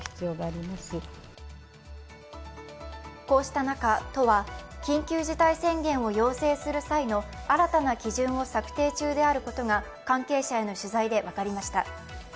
こうした中、都は緊急事態宣言を要請する際の新たな基準を策定中であることが関係者への取材で分かりました。